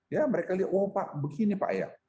ya mereka lihat oh pak begini pak ya